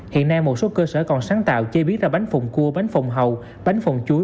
hiện nay một số cơ sở còn sáng tạo chế biến ra bánh phồng cua bánh phồng hậu bánh phồng chuối